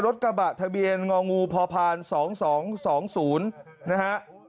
รถกระบะทะเบียนงพ๒๒๒๐นะฮะ